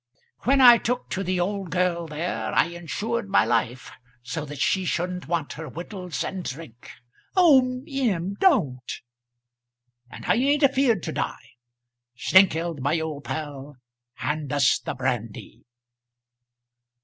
When I took to the old girl there, I insured my life, so that she shouldn't want her wittles and drink " "Oh, M., don't!" "And I ain't afeard to die. Snengkeld, my old pal, hand us the brandy."